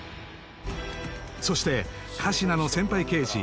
そして神志名の先輩刑事